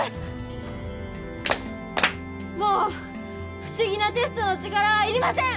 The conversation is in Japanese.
もう不思議なテストの力はいりません！